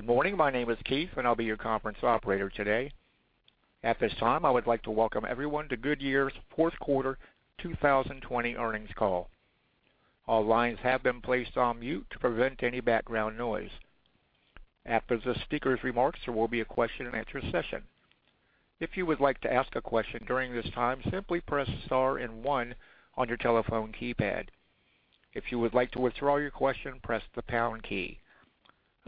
Good morning. My name is Keith, and I'll be your conference operator today. At this time, I would like to welcome everyone to Goodyear's fourth quarter 2020 earnings call. All lines have been placed on mute to prevent any background noise. After the speaker's remarks, there will be a question-and-answer session. If you would like to ask question during this time, simply press star and one on your telephone keypad. If you would like to withdraw your question, press the pound key.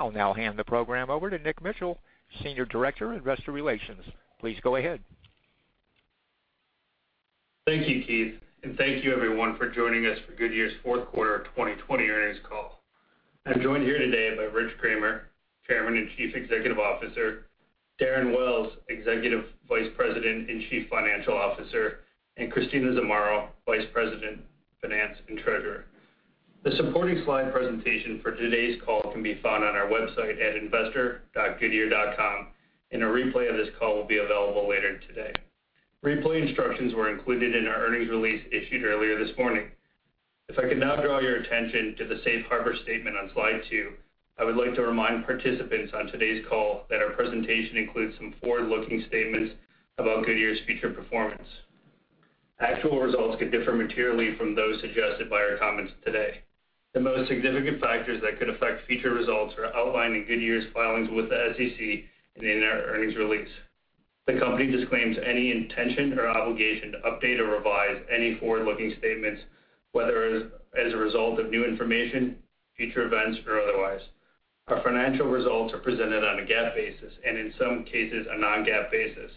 I'll now hand the program over to Nick Mitchell, Senior Director, Investor Relations. Please go ahead. Thank you, Keith, and thank you, everyone, for joining us for Goodyear's fourth quarter 2020 earnings call. I'm joined here today by Rich Kramer, Chairman and Chief Executive Officer, Darren Wells, Executive Vice President and Chief Financial Officer, and Christina Zamarro, Vice President, Finance and Treasurer. The supporting slide presentation for today's call can be found on our website at investor.goodyear.com, and a replay of this call will be available later today. Replay instructions were included in our earnings release issued earlier this morning. If I can now draw your attention to the Safe Harbor Statement on slide two, I would like to remind participants on today's call that our presentation includes some forward-looking statements about Goodyear's future performance. Actual results could differ materially from those suggested by our comments today. The most significant factors that could affect future results are outlined in Goodyear's filings with the SEC and in our earnings release. The company disclaims any intention or obligation to update or revise any forward-looking statements, whether as a result of new information, future events, or otherwise. Our financial results are presented on a GAAP basis and, in some cases, a non-GAAP basis.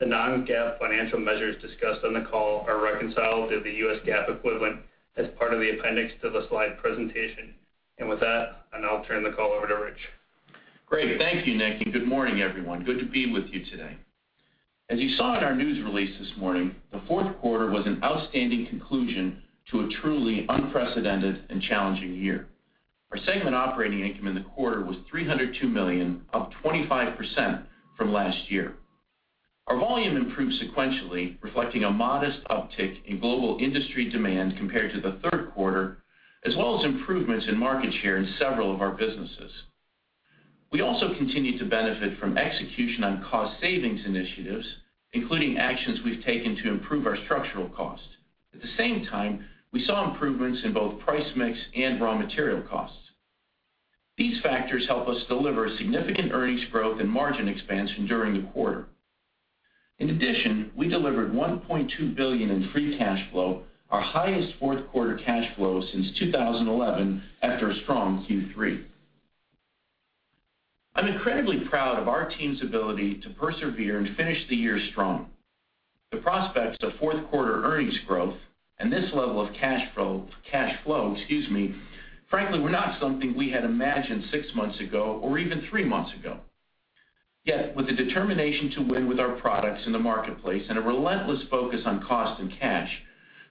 The non-GAAP financial measures discussed on the call are reconciled to the U.S. GAAP equivalent as part of the appendix to the slide presentation, and with that, I'll turn the call over to Rich. Great. Thank you, Nick, and good morning, everyone. Good to be with you today. As you saw in our news release this morning, the fourth quarter was an outstanding conclusion to a truly unprecedented and challenging year. Our segment operating income in the quarter was $302 million, up 25% from last year. Our volume improved sequentially, reflecting a modest uptick in global industry demand compared to the third quarter, as well as improvements in market share in several of our businesses. We also continue to benefit from execution on cost savings initiatives, including actions we've taken to improve our structural cost. At the same time, we saw improvements in both price mix and raw material costs. These factors help us deliver significant earnings growth and margin expansion during the quarter. In addition, we delivered $1.2 billion in free cash flow, our highest fourth quarter cash flow since 2011 after a strong Q3. I'm incredibly proud of our team's ability to persevere and finish the year strong. The prospects of fourth quarter earnings growth and this level of cash flow, excuse me, frankly, were not something we had imagined six months ago or even three months ago. Yet, with a determination to win with our products in the marketplace and a relentless focus on cost and cash,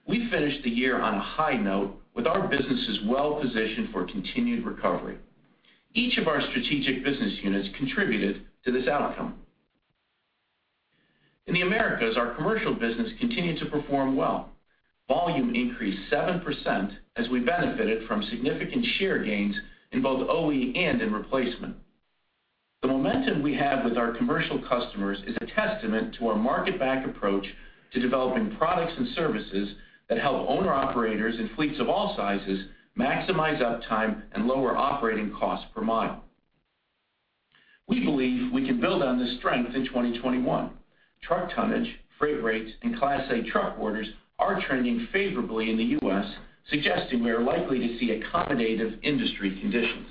we finished the year on a high note with our businesses well-positioned for continued recovery. Each of our strategic business units contributed to this outcome. In the Americas, our commercial business continued to perform well. Volume increased 7% as we benefited from significant share gains in both OE and in replacement. The momentum we have with our commercial customers is a testament to our market-backed approach to developing products and services that help owner-operators in fleets of all sizes maximize uptime and lower operating costs per mile. We believe we can build on this strength in 2021. Truck tonnage, freight rates, and Class 8 truck orders are trending favorably in the U.S., suggesting we are likely to see accommodative industry conditions.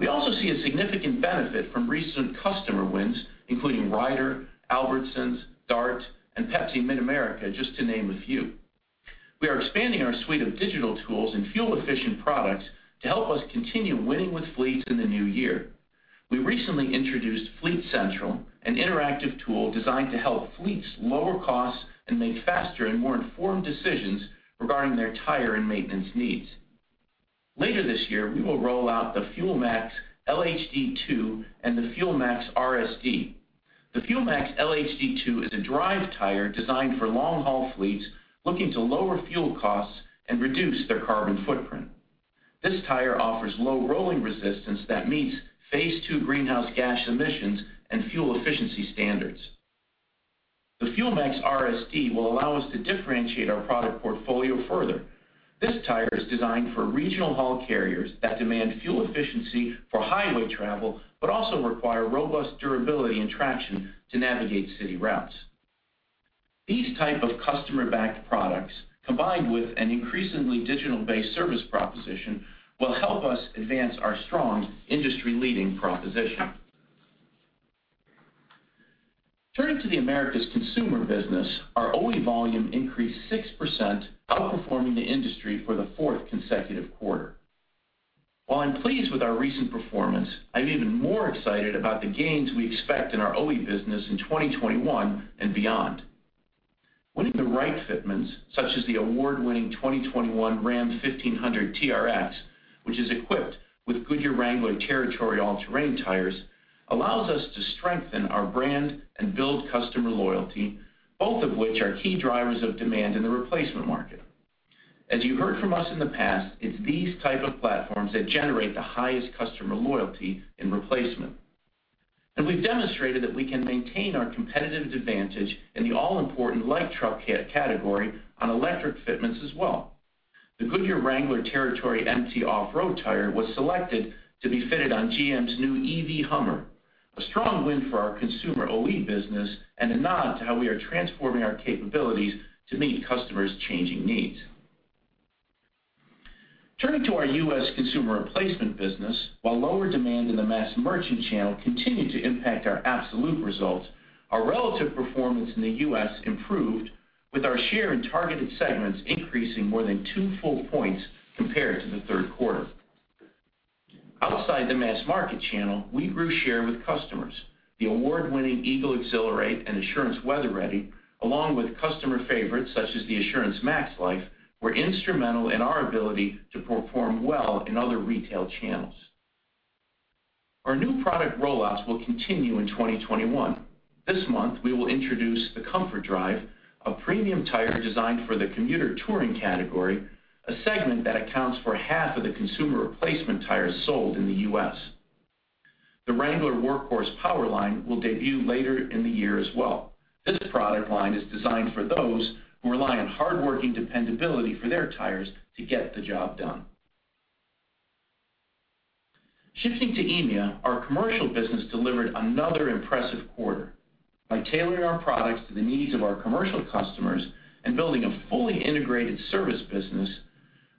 We also see a significant benefit from recent customer wins, including Ryder, Albertsons, Dart, and Pepsi MidAmerica, just to name a few. We are expanding our suite of digital tools and fuel-efficient products to help us continue winning with fleets in the new year. We recently introduced Fleet Central, an interactive tool designed to help fleets lower costs and make faster and more informed decisions regarding their tire and maintenance needs. Later this year, we will roll out the Fuel Max LHD 2 and the Fuel Max RSD. The Fuel Max LHD 2 is a drive tire designed for long-haul fleets looking to lower fuel costs and reduce their carbon footprint. This tire offers low rolling resistance that meets Phase II greenhouse gas emissions and fuel efficiency standards. The Fuel Max RSD will allow us to differentiate our product portfolio further. This tire is designed for regional haul carriers that demand fuel efficiency for highway travel but also require robust durability and traction to navigate city routes. These types of customer-backed products, combined with an increasingly digital-based service proposition, will help us advance our strong industry-leading proposition. Turning to the Americas consumer business, our OE volume increased 6%, outperforming the industry for the fourth consecutive quarter. While I'm pleased with our recent performance, I'm even more excited about the gains we expect in our OE business in 2021 and beyond. Winning the right fitments, such as the award-winning 2021 RAM 1500 TRX, which is equipped with Goodyear Wrangler Territory all-terrain tires, allows us to strengthen our brand and build customer loyalty, both of which are key drivers of demand in the replacement market. As you heard from us in the past, it's these types of platforms that generate the highest customer loyalty in replacement. We've demonstrated that we can maintain our competitive advantage in the all-important light truck category on electric fitments as well. The Goodyear Wrangler Territory MT off-road tire was selected to be fitted on GM's new Hummer EV, a strong win for our consumer OE business and a nod to how we are transforming our capabilities to meet customers' changing needs. Turning to our U.S. consumer replacement business, while lower demand in the mass merchant channel continued to impact our absolute results, our relative performance in the U.S. improved, with our share in targeted segments increasing more than two full points compared to the third quarter. Outside the mass market channel, we grew share with customers. The award-winning Eagle Exhilarate and Assurance WeatherReady, along with customer favorites such as the Assurance MaxLife, were instrumental in our ability to perform well in other retail channels. Our new product rollouts will continue in 2021. This month, we will introduce the ComfortDrive, a premium tire designed for the commuter touring category, a segment that accounts for half of the consumer replacement tires sold in the U.S. The Wrangler Workhorse product line will debut later in the year as well. This product line is designed for those who rely on hardworking dependability for their tires to get the job done. Shifting to EMEA, our commercial business delivered another impressive quarter. By tailoring our products to the needs of our commercial customers and building a fully integrated service business,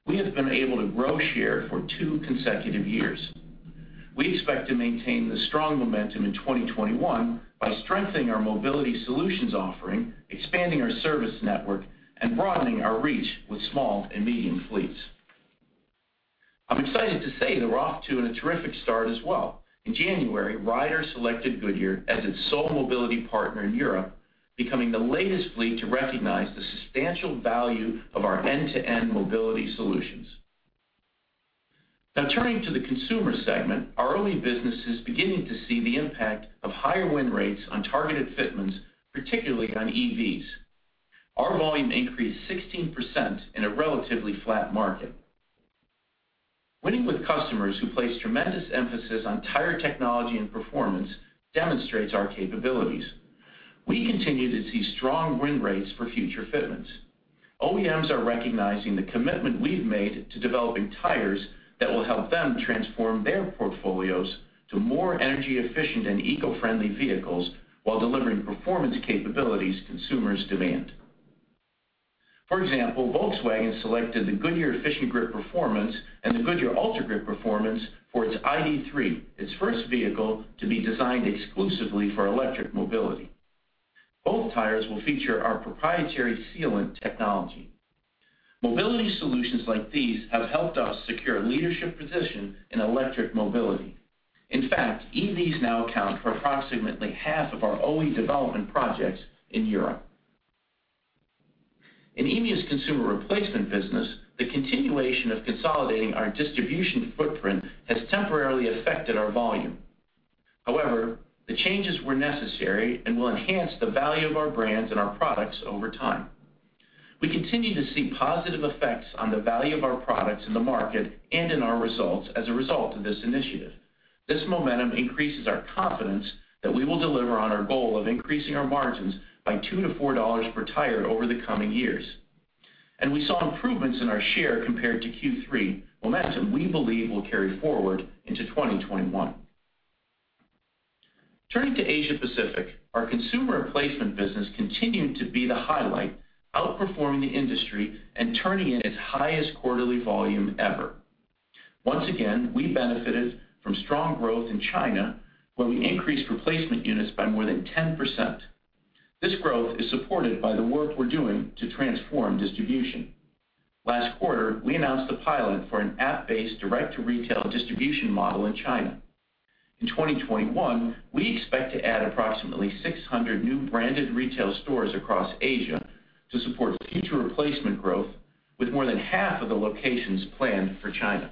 we have been able to grow share for two consecutive years. We expect to maintain the strong momentum in 2021 by strengthening our mobility solutions offering, expanding our service network, and broadening our reach with small and medium fleets. I'm excited to say that we're off to a terrific start as well. In January, Ryder selected Goodyear as its sole mobility partner in Europe, becoming the latest fleet to recognize the substantial value of our end-to-end mobility solutions. Now, turning to the consumer segment, our OE business is beginning to see the impact of higher win rates on targeted fitments, particularly on EVs. Our volume increased 16% in a relatively flat market. Winning with customers who place tremendous emphasis on tire technology and performance demonstrates our capabilities. We continue to see strong win rates for future fitments. OEMs are recognizing the commitment we've made to developing tires that will help them transform their portfolios to more energy-efficient and eco-friendly vehicles while delivering performance capabilities consumers demand. For example, Volkswagen selected the Goodyear EfficientGrip Performance and the Goodyear UltraGrip Performance for its ID.3, its first vehicle to be designed exclusively for electric mobility. Both tires will feature our proprietary sealant technology. Mobility solutions like these have helped us secure a leadership position in electric mobility. In fact, EVs now account for approximately half of our OE development projects in Europe. In EMEA's consumer replacement business, the continuation of consolidating our distribution footprint has temporarily affected our volume. However, the changes were necessary and will enhance the value of our brands and our products over time. We continue to see positive effects on the value of our products in the market and in our results as a result of this initiative. This momentum increases our confidence that we will deliver on our goal of increasing our margins by $2-$4 per tire over the coming years, and we saw improvements in our share compared to Q3, momentum we believe will carry forward into 2021. Turning to Asia Pacific, our consumer replacement business continued to be the highlight, outperforming the industry and turning in its highest quarterly volume ever. Once again, we benefited from strong growth in China when we increased replacement units by more than 10%. This growth is supported by the work we're doing to transform distribution. Last quarter, we announced a pilot for an app-based direct-to-retail distribution model in China. In 2021, we expect to add approximately 600 new branded retail stores across Asia to support future replacement growth, with more than half of the locations planned for China.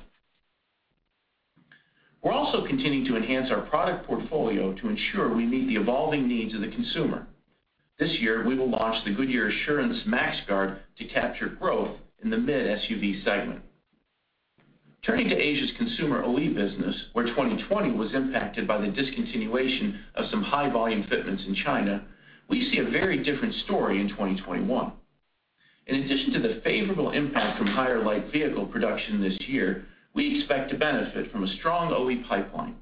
We're also continuing to enhance our product portfolio to ensure we meet the evolving needs of the consumer. This year, we will launch the Goodyear Assurance MaxGuard to capture growth in the mid-SUV segment. Turning to Asia's consumer OE business, where 2020 was impacted by the discontinuation of some high-volume fitments in China, we see a very different story in 2021. In addition to the favorable impact from higher light vehicle production this year, we expect to benefit from a strong OE pipeline.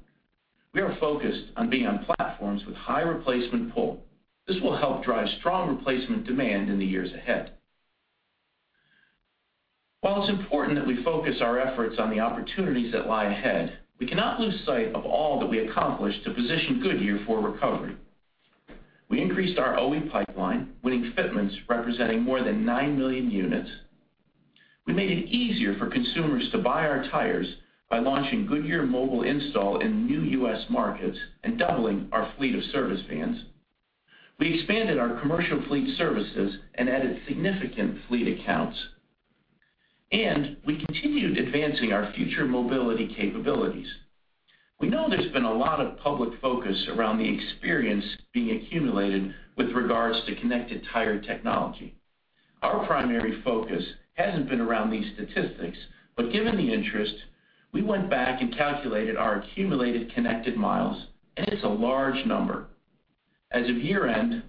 We are focused on being on platforms with high replacement pull. This will help drive strong replacement demand in the years ahead. While it's important that we focus our efforts on the opportunities that lie ahead, we cannot lose sight of all that we accomplished to position Goodyear for recovery. We increased our OE pipeline, winning fitments representing more than nine million units. We made it easier for consumers to buy our tires by launching Goodyear Mobile Install in new U.S. markets and doubling our fleet of service vans. We expanded our commercial fleet services and added significant fleet accounts, and we continued advancing our future mobility capabilities. We know there's been a lot of public focus around the experience being accumulated with regards to connected tire technology. Our primary focus hasn't been around these statistics, but given the interest, we went back and calculated our accumulated connected miles, and it's a large number. As of year-end,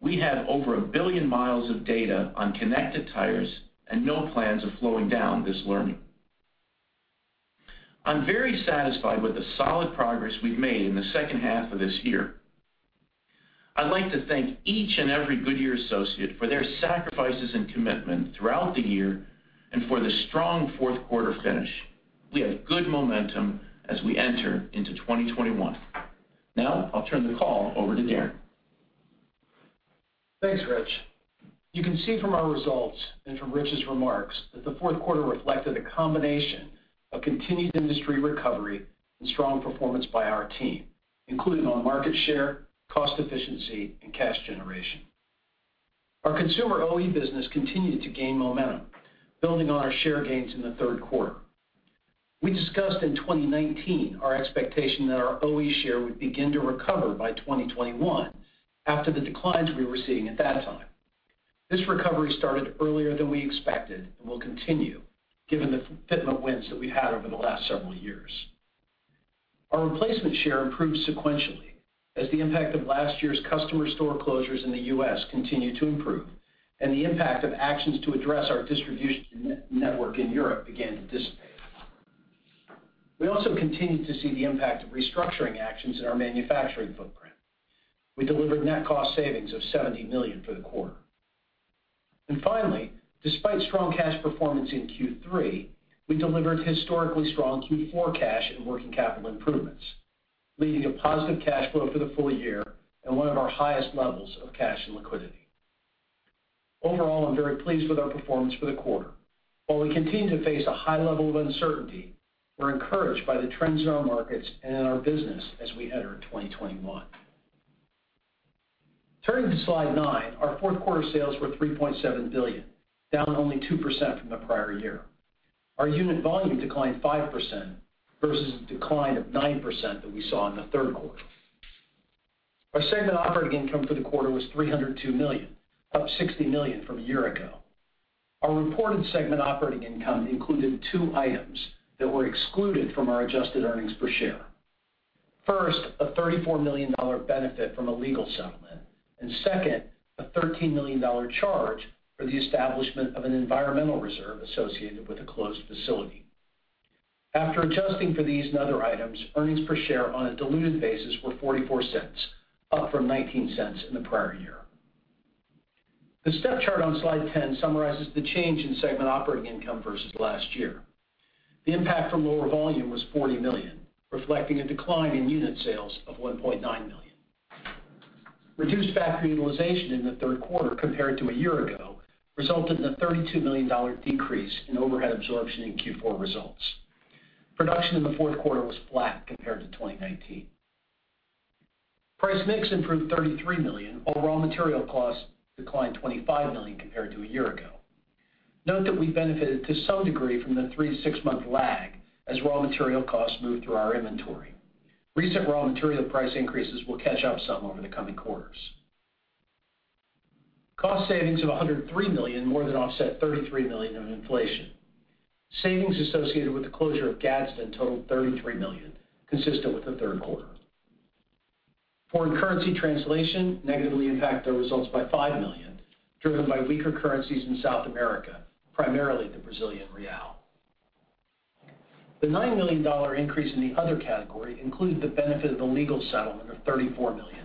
we have over a billion miles of data on connected tires and no plans of slowing down this learning. I'm very satisfied with the solid progress we've made in the second half of this year. I'd like to thank each and every Goodyear associate for their sacrifices and commitment throughout the year and for the strong fourth quarter finish. We have good momentum as we enter into 2021. Now, I'll turn the call over to Darren. Thanks, Rich. You can see from our results and from Rich's remarks that the fourth quarter reflected a combination of continued industry recovery and strong performance by our team, including on market share, cost efficiency, and cash generation. Our consumer OE business continued to gain momentum, building on our share gains in the third quarter. We discussed in 2019 our expectation that our OE share would begin to recover by 2021 after the declines we were seeing at that time. This recovery started earlier than we expected and will continue, given the fitment wins that we've had over the last several years. Our replacement share improved sequentially as the impact of last year's customer store closures in the U.S. continued to improve, and the impact of actions to address our distribution network in Europe began to dissipate. We also continued to see the impact of restructuring actions in our manufacturing footprint. We delivered net cost savings of $70 million for the quarter. Finally, despite strong cash performance in Q3, we delivered historically strong Q4 cash and working capital improvements, leading to positive cash flow for the full year and one of our highest levels of cash and liquidity. Overall, I'm very pleased with our performance for the quarter. While we continue to face a high level of uncertainty, we're encouraged by the trends in our markets and in our business as we enter 2021. Turning to slide nine, our fourth quarter sales were $3.7 billion, down only 2% from the prior year. Our unit volume declined 5% versus a decline of 9% that we saw in the third quarter. Our segment operating income for the quarter was $302 million, up $60 million from a year ago. Our reported segment operating income included two items that were excluded from our adjusted earnings per share. First, a $34 million benefit from a legal settlement, and second, a $13 million charge for the establishment of an environmental reserve associated with a closed facility. After adjusting for these and other items, earnings per share on a diluted basis were $0.44, up from $0.19 in the prior year. The step chart on slide 10 summarizes the change in segment operating income versus last year. The impact from lower volume was $40 million, reflecting a decline in unit sales of 1.9 million. Reduced factory utilization in the third quarter compared to a year ago resulted in a $32 million decrease in overhead absorption in Q4 results. Production in the fourth quarter was flat compared to 2019. Price mix improved $33 million. Overall material costs declined $25 million compared to a year ago. Note that we benefited to some degree from the three to six-month lag as raw material costs moved through our inventory. Recent raw material price increases will catch up some over the coming quarters. Cost savings of $103 million more than offset $33 million of inflation. Savings associated with the closure of Gadsden totaled $33 million, consistent with the third quarter. Foreign currency translation negatively impacted our results by $5 million, driven by weaker currencies in South America, primarily the Brazilian real. The $9 million increase in the other category included the benefit of the legal settlement of $34 million,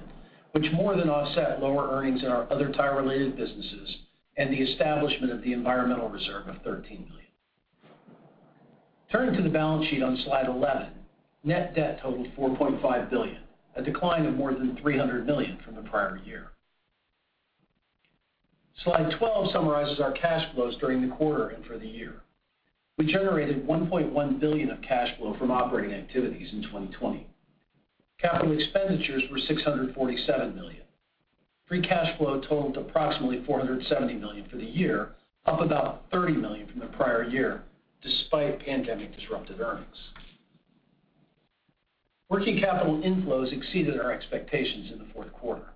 which more than offset lower earnings in our other tire-related businesses and the establishment of the environmental reserve of $13 million. Turning to the balance sheet on slide 11, net debt totaled $4.5 billion, a decline of more than $300 million from the prior year. Slide 12 summarizes our cash flows during the quarter and for the year. We generated $1.1 billion of cash flow from operating activities in 2020. Capital expenditures were $647 million. Free cash flow totaled approximately $470 million for the year, up about $30 million from the prior year, despite pandemic-disrupted earnings. Working capital inflows exceeded our expectations in the fourth quarter.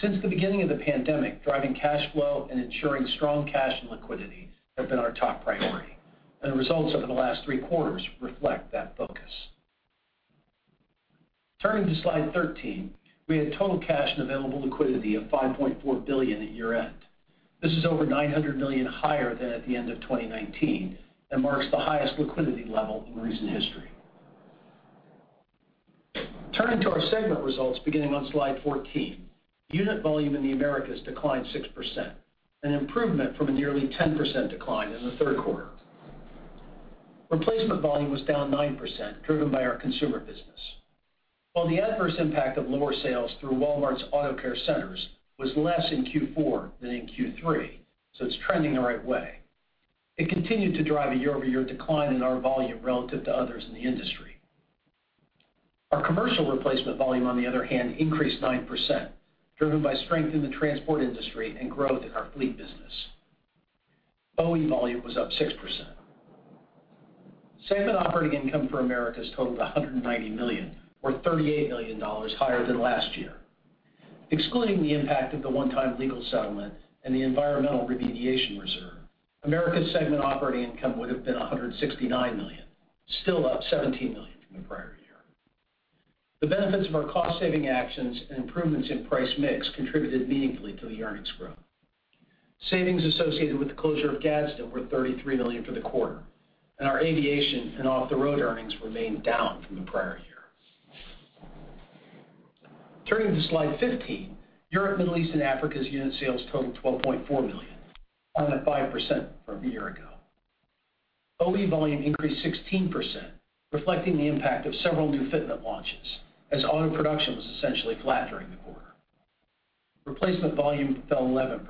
Since the beginning of the pandemic, driving cash flow and ensuring strong cash and liquidity have been our top priority, and the results over the last three quarters reflect that focus. Turning to slide 13, we had total cash and available liquidity of $5.4 billion at year-end. This is over $900 million higher than at the end of 2019 and marks the highest liquidity level in recent history. Turning to our segment results beginning on slide 14, unit volume in the Americas declined 6%, an improvement from a nearly 10% decline in the third quarter. Replacement volume was down 9%, driven by our consumer business. While the adverse impact of lower sales through Walmart's Auto Care Centers was less in Q4 than in Q3, so it's trending the right way, it continued to drive a year-over-year decline in our volume relative to others in the industry. Our commercial replacement volume, on the other hand, increased 9%, driven by strength in the transport industry and growth in our fleet business. OE volume was up 6%. Segment operating income for Americas totaled $190 million, or $38 million higher than last year. Excluding the impact of the one-time legal settlement and the environmental remediation reserve, Americas segment operating income would have been $169 million, still up $17 million from the prior year. The benefits of our cost-saving actions and improvements in price mix contributed meaningfully to the earnings growth. Savings associated with the closure of Gadsden were $33 million for the quarter, and our aviation and off-the-road earnings remained down from the prior year. Turning to slide 15, Europe, Middle East, and Africa’s unit sales totaled $12.4 million, down 5% from a year ago. OE volume increased 16%, reflecting the impact of several new fitment launches as auto production was essentially flat during the quarter. Replacement volume fell 11%.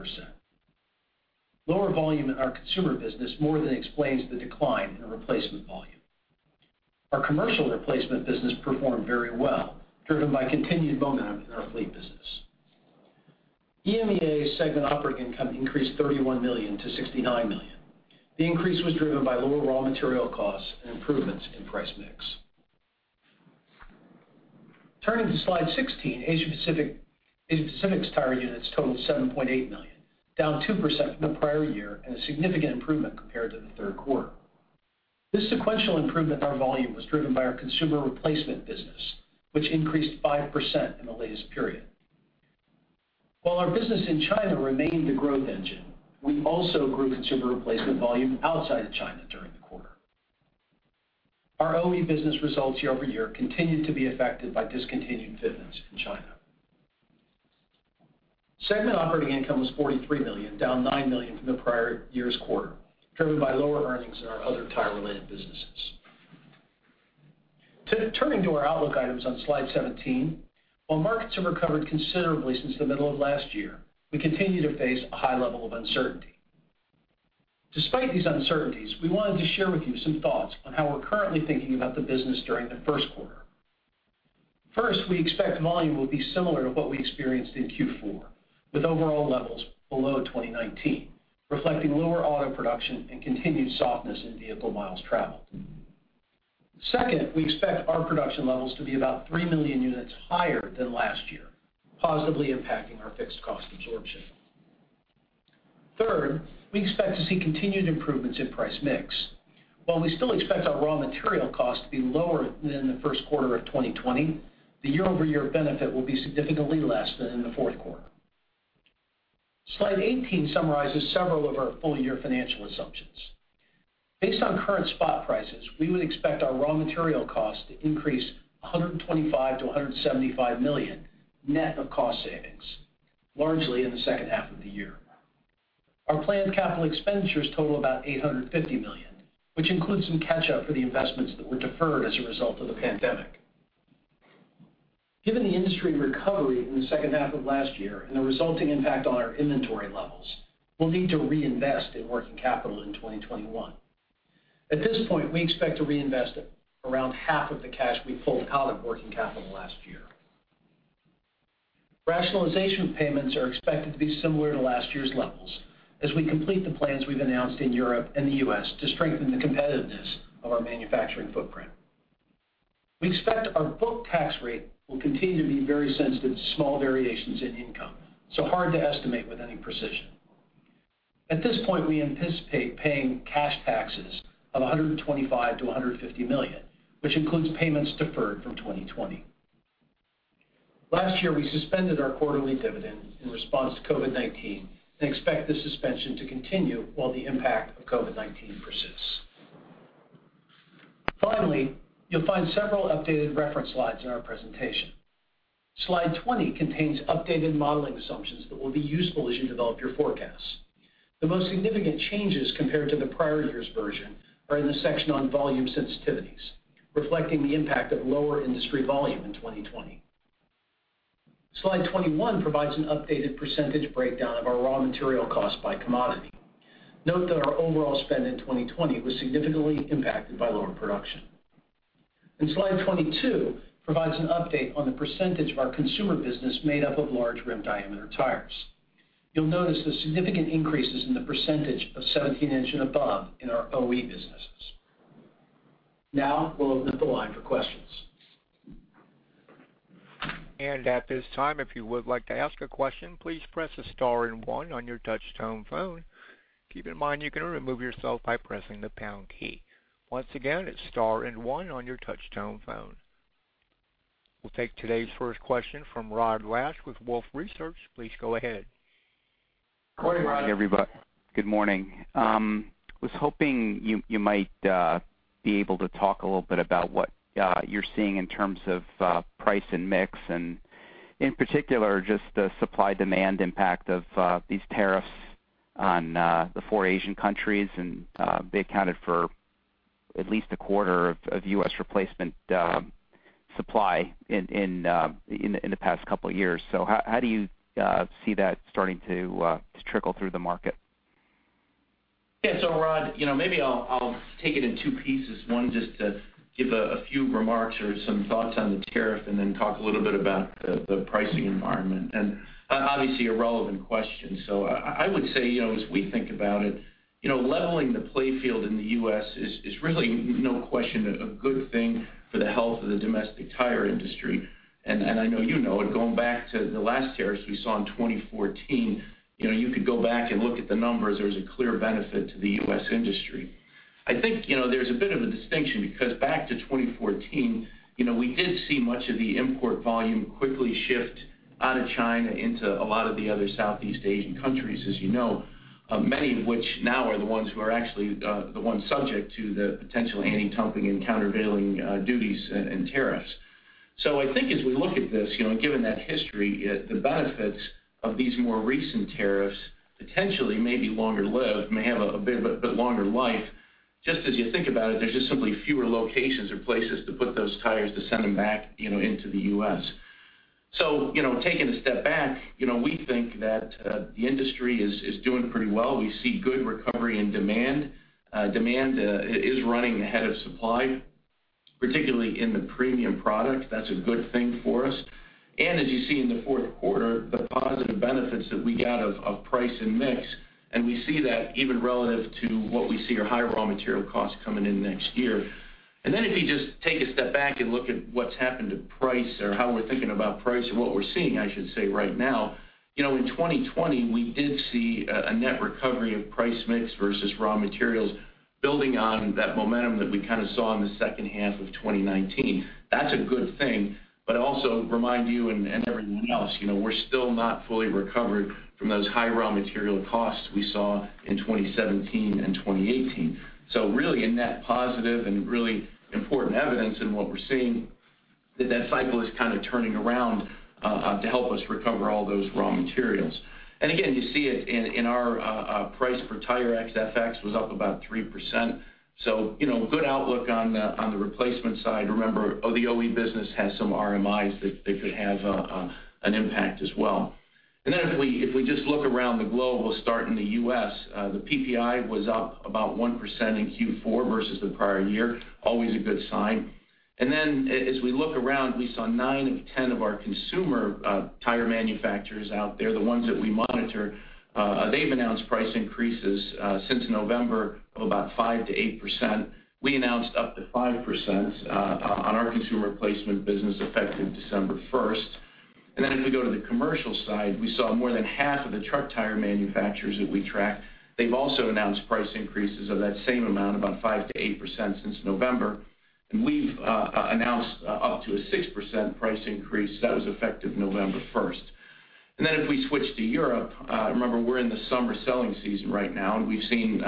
Lower volume in our consumer business more than explains the decline in replacement volume. Our commercial replacement business performed very well, driven by continued momentum in our fleet business. EMEA segment operating income increased $31 million-$69 million. The increase was driven by lower raw material costs and improvements in price mix. Turning to slide 16, Asia Pacific's tire units totaled $7.8 million, down 2% from the prior year and a significant improvement compared to the third quarter. This sequential improvement in our volume was driven by our consumer replacement business, which increased 5% in the latest period. While our business in China remained the growth engine, we also grew consumer replacement volume outside of China during the quarter. Our OE business results year-over-year continued to be affected by discontinued fitments in China. Segment operating income was $43 million, down $9 million from the prior year's quarter, driven by lower earnings in our other tire-related businesses. Turning to our outlook items on slide 17, while markets have recovered considerably since the middle of last year, we continue to face a high level of uncertainty. Despite these uncertainties, we wanted to share with you some thoughts on how we're currently thinking about the business during the first quarter. First, we expect volume will be similar to what we experienced in Q4, with overall levels below 2019, reflecting lower auto production and continued softness in vehicle miles traveled. Second, we expect our production levels to be about three million units higher than last year, positively impacting our fixed cost absorption. Third, we expect to see continued improvements in price mix. While we still expect our raw material cost to be lower than in the first quarter of 2020, the year-over-year benefit will be significantly less than in the fourth quarter. Slide 18 summarizes several of our full-year financial assumptions. Based on current spot prices, we would expect our raw material cost to increase $125 million-$175 million net of cost savings, largely in the second half of the year. Our planned capital expenditures total about $850 million, which includes some catch-up for the investments that were deferred as a result of the pandemic. Given the industry recovery in the second half of last year and the resulting impact on our inventory levels, we'll need to reinvest in working capital in 2021. At this point, we expect to reinvest around half of the cash we pulled out of working capital last year. Rationalization payments are expected to be similar to last year's levels as we complete the plans we've announced in Europe and the U.S. to strengthen the competitiveness of our manufacturing footprint. We expect our book tax rate will continue to be very sensitive to small variations in income, so hard to estimate with any precision. At this point, we anticipate paying cash taxes of $125 million-$150 million, which includes payments deferred from 2020. Last year, we suspended our quarterly dividend in response to COVID-19 and expect the suspension to continue while the impact of COVID-19 persists. Finally, you'll find several updated reference slides in our presentation. Slide 20 contains updated modeling assumptions that will be useful as you develop your forecasts. The most significant changes compared to the prior year's version are in the section on volume sensitivities, reflecting the impact of lower industry volume in 2020. Slide 21 provides an updated percentage breakdown of our raw material cost by commodity. Note that our overall spend in 2020 was significantly impacted by lower production. Slide 22 provides an update on the percentage of our consumer business made up of large rim diameter tires. You'll notice the significant increases in the percentage of 17-inch and above in our OE businesses. Now we'll open up the line for questions. At this time, if you would like to ask a question, please press the star and one on your touch-tone phone. Keep in mind you can remove yourself by pressing the pound key. Once again, it's star and one on your touch-tone phone. We'll take today's first question from Rod Lache with Wolfe Research. Please go ahead. Good morning, Rod. Good morning. I was hoping you might be able to talk a little bit about what you're seeing in terms of price and mix, and in particular, just the supply-demand impact of these tariffs on the four Asian countries, and they accounted for at least a quarter of U.S. replacement supply in the past couple of years, so how do you see that starting to trickle through the market? Yeah. So, Rod, maybe I'll take it in two pieces. One, just to give a few remarks or some thoughts on the tariff and then talk a little bit about the pricing environment and obviously, a relevant question. So I would say, as we think about it, leveling the playing field in the U.S. is really, no question, a good thing for the health of the domestic tire industry. I know you know it. Going back to the last tariffs we saw in 2014, you could go back and look at the numbers. There was a clear benefit to the U.S. industry. I think there's a bit of a distinction because back to 2014, we did see much of the import volume quickly shift out of China into a lot of the other Southeast Asian countries, as you know, many of which now are the ones who are actually the ones subject to the potential anti-dumping and countervailing duties and tariffs. So I think as we look at this, given that history, the benefits of these more recent tariffs potentially may be longer-lived, may have a bit longer life. Just as you think about it, there's just simply fewer locations or places to put those tires to send them back into the U.S. So taking a step back, we think that the industry is doing pretty well. We see good recovery in demand. Demand is running ahead of supply, particularly in the premium product. That's a good thing for us. As you see in the fourth quarter, the positive benefits that we got of price and mix, and we see that even relative to what we see are high raw material costs coming in next year. Then if you just take a step back and look at what's happened to price or how we're thinking about price and what we're seeing, I should say, right now, in 2020, we did see a net recovery of price mix versus raw materials building on that momentum that we kind of saw in the second half of 2019. That's a good thing. But I also remind you and everyone else, we're still not fully recovered from those high raw material costs we saw in 2017 and 2018. So really a net positive and really important evidence in what we're seeing that that cycle is kind of turning around to help us recover all those raw materials, and again, you see it in our tire price ex-FX was up about 3%, so good outlook on the replacement side. Remember, the OE business has some RMIs that could have an impact as well, and then if we just look around the globe, we'll start in the U.S. The PPI was up about 1% in Q4 versus the prior year, always a good sign, and then as we look around, we saw nine of 10 of our consumer tire manufacturers out there, the ones that we monitor, they've announced price increases since November of about 5%-8%. We announced up to 5% on our consumer replacement business effective December 1st. Then if we go to the commercial side, we saw more than half of the truck tire manufacturers that we track. They've also announced price increases of that same amount, about 5%-8% since November. We've announced up to a 6% price increase that was effective November 1st. Then if we switch to Europe, remember we're in the summer selling season right now, and we've seen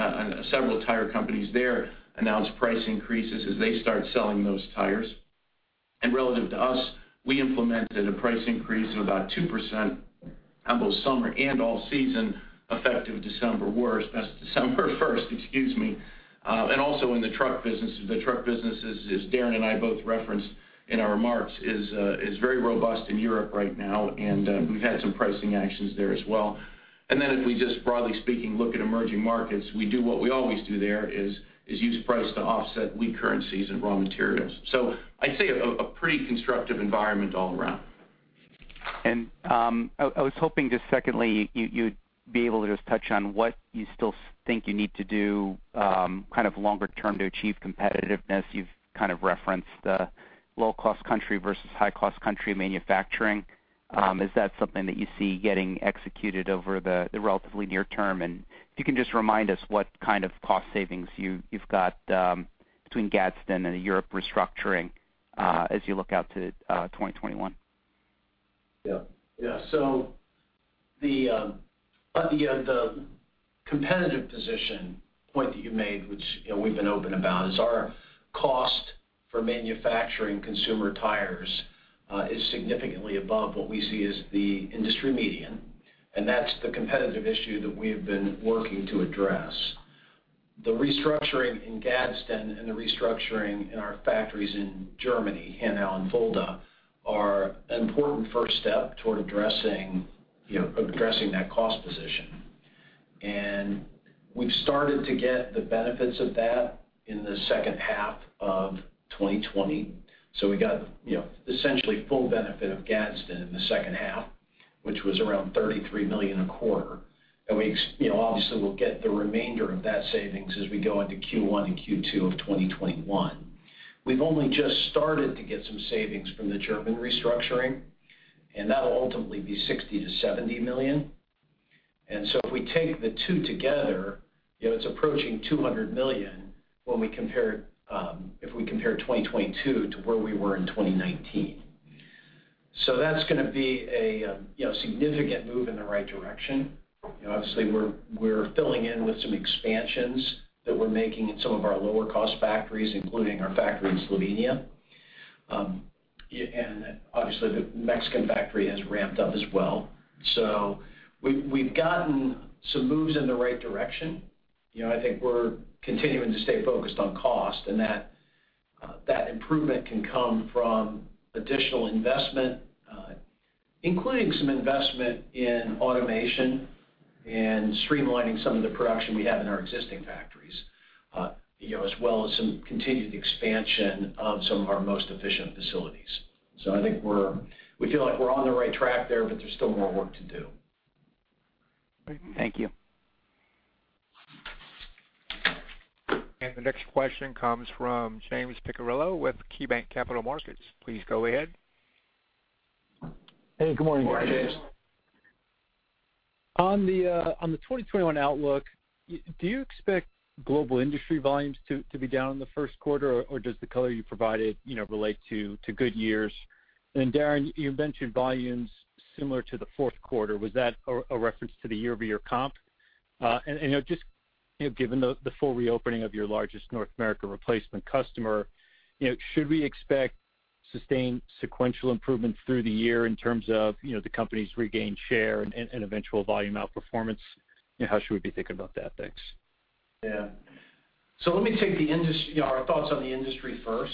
several tire companies there announce price increases as they start selling those tires. Relative to us, we implemented a price increase of about 2% on both summer and all season effective December 1st, excuse me. Also in the truck businesses, as Darren and I both referenced in our remarks, is very robust in Europe right now, and we've had some pricing actions there as well. Then, if we just, broadly speaking, look at emerging markets, we do what we always do there: use price to offset weak currencies and raw materials. So I'd say a pretty constructive environment all around. I was hoping just secondly, you'd be able to just touch on what you still think you need to do kind of longer term to achieve competitiveness. You've kind of referenced the low-cost country versus high-cost country manufacturing. Is that something that you see getting executed over the relatively near term, and if you can just remind us what kind of cost savings you've got between Gadsden and Europe restructuring as you look out to 2021. Yeah. Yeah. The competitive position point that you made, which we've been open about, is our cost for manufacturing consumer tires is significantly above what we see as the industry median. That's the competitive issue that we have been working to address. The restructuring in Gadsden and the restructuring in our factories in Germany, Hanau and Fulda, are an important first step toward addressing that cost position. We've started to get the benefits of that in the second half of 2020. We got essentially full benefit of Gadsden in the second half, which was around $33 million a quarter. We obviously will get the remainder of that savings as we go into Q1 and Q2 of 2021. We've only just started to get some savings from the German restructuring, and that'll ultimately be $60-$70 million. If we take the two together, it's approaching 200 million when we compare 2022 to where we were in 2019. That's going to be a significant move in the right direction. Obviously, we're filling in with some expansions that we're making in some of our lower-cost factories, including our factory in Slovenia. Obviously, the Mexican factory has ramped up as well. We've gotten some moves in the right direction. We're continuing to stay focused on cost and that improvement can come from additional investment, including some investment in automation and streamlining some of the production we have in our existing factories, as well as some continued expansion of some of our most efficient facilities. We feel like we're on the right track there, but there's still more work to do. Thank you. The next question comes from James Picariello with KeyBanc Capital Markets. Please go ahead. Good morning, James. On the 2021 outlook, do you expect global industry volumes to be down in the first quarter, or does the color you provided relate to Goodyear's? Darren, you mentioned volumes similar to the fourth quarter. Was that a reference to the year-over-year comp? Just given the full reopening of your largest North America replacement customer, should we expect sustained sequential improvements through the year in terms of the company's regained share and eventual volume outperformance? How should we be thinking about that? Thanks. Yeah. So let me take our thoughts on the industry first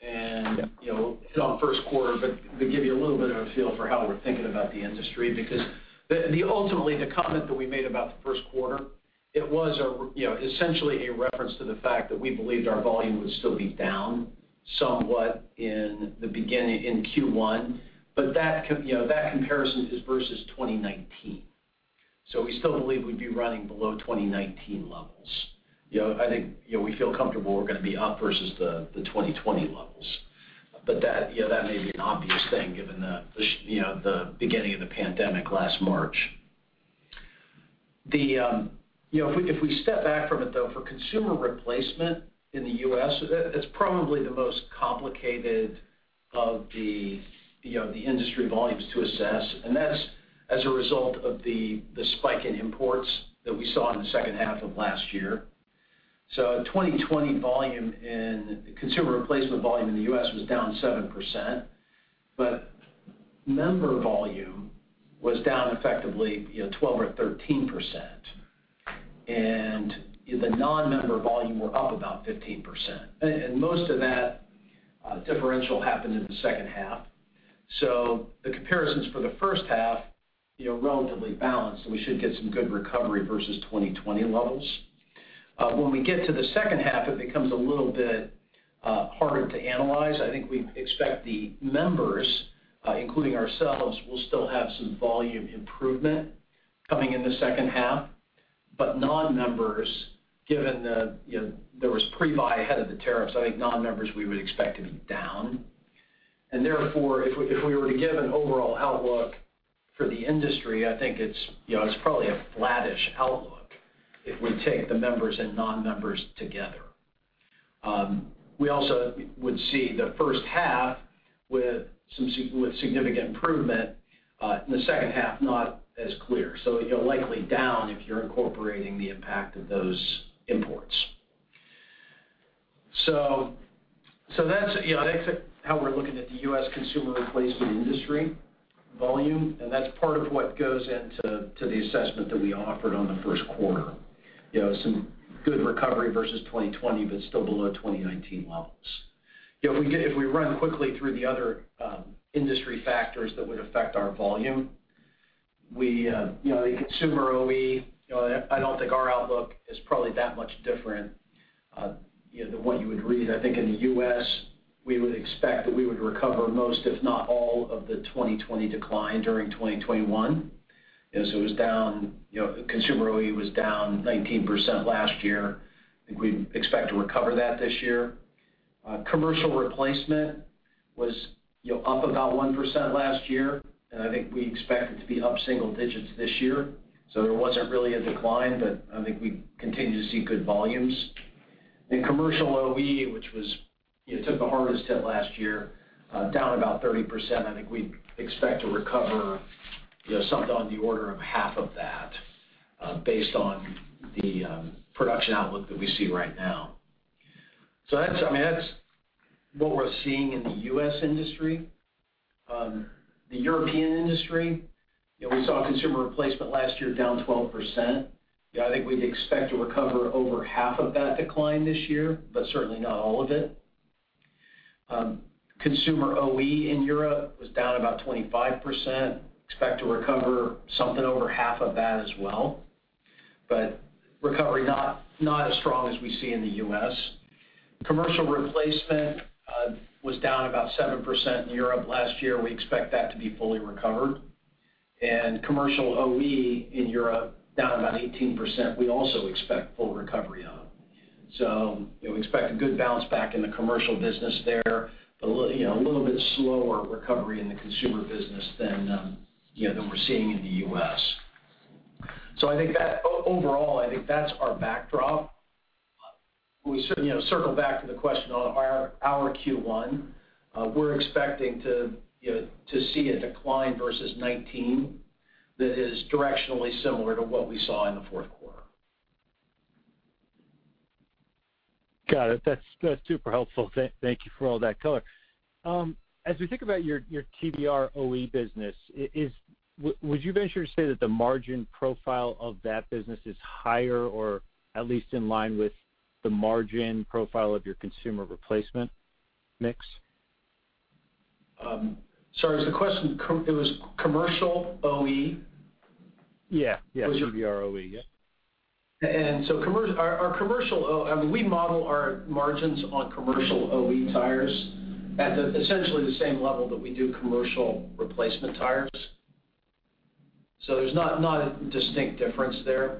and hit on first quarter, but give you a little bit of a feel for how we're thinking about the industry because ultimately, the comment that we made about the first quarter, it was essentially a reference to the fact that we believed our volume would still be down somewhat in Q1. But that comparison is versus 2019. So we still believe we'd be running below 2019 levels. I think we feel comfortable we're going to be up versus the 2020 levels. But that may be an obvious thing given the beginning of the pandemic last March. If we step back from it, though, for consumer replacement in the U.S., it's probably the most complicated of the industry volumes to assess. That's as a result of the spike in imports that we saw in the second half of last year. So 2020 volume in consumer replacement volume in the U.S. was down 7%, but member volume was down effectively 12 or 13% and the non-member volume were up about 15% and most of that differential happened in the second half. So the comparisons for the first half are relatively balanced, and we should get some good recovery versus 2020 levels. When we get to the second half, it becomes a little bit harder to analyze. I think we expect the members, including ourselves, will still have some volume improvement coming in the second half. But non-members, given there was pre-buy ahead of the tariffs, I think non-members we would expect to be down. Therefore, if we were to give an overall outlook for the industry, I think it's probably a flattish outlook if we take the members and non-members together. We also would see the first half with significant improvement, and the second half not as clear. So likely down if you're incorporating the impact of those imports. So that's how we're looking at the U.S. consumer replacement industry volume and that's part of what goes into the assessment that we offered on the first quarter. Some good recovery versus 2020, but still below 2019 levels. If we run quickly through the other industry factors that would affect our volume, the consumer OE, I don't think our outlook is probably that much different than what you would read. I think in the U.S., we would expect that we would recover most, if not all, of the 2020 decline during 2021. So consumer OE was down 19% last year. I think we'd expect to recover that this year. Commercial replacement was up about 1% last year. I think we expect it to be up single digits this year. So there wasn't really a decline, but I think we continue to see good volumes and commercial OE, which took the hardest hit last year, down about 30%. I think we'd expect to recover something on the order of half of that based on the production outlook that we see right now. So I mean, that's what we're seeing in the U.S. industry. The European industry, we saw consumer replacement last year down 12%. I think we'd expect to recover over half of that decline this year, but certainly not all of it. Consumer OE in Europe was down about 25%. Expect to recover something over half of that as well, but recovery not as strong as we see in the U.S. Commercial replacement was down about 7% in Europe last year. We expect that to be fully recovered and commercial OE in Europe down about 18%. We also expect full recovery of. So we expect a good bounce back in the commercial business there, but a little bit slower recovery in the consumer business than we're seeing in the U.S. So I think that overall, I think that's our backdrop. We circle back to the question on our Q1. We're expecting to see a decline versus 2019 that is directionally similar to what we saw in the fourth quarter. Got it. That's super helpful. Thank you for all that color. As we think about your TBR OE business, would you venture to say that the margin profile of that business is higher or at least in line with the margin profile of your consumer replacement mix? Sorry, is the question it was commercial OE? Yeah. Yeah. TBR OE. Yeah. Our commercial OE, I mean, we model our margins on commercial OE tires at essentially the same level that we do commercial replacement tires. There's not a distinct difference there.